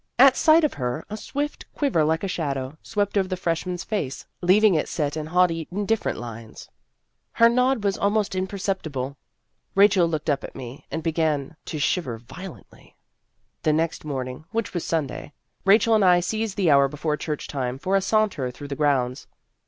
At sight of her, a swift quiver like a shadow swept over the freshman's face, leaving it set in haughtily indifferent lines. Her nod was almost imperceptible. A Superior Young Woman 183 Rachel looked up at me, and began to shiver violently. The next morning, which was Sunday, Rachel and I seized the hour before church time for a saunter through the grounds.